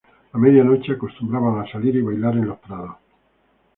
A medianoche, acostumbraban salir y bailar en los prados.